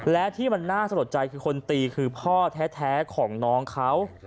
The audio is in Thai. และที่มันน่าสะลดใจคือคนตีคือพ่อแท้ของน้องเขา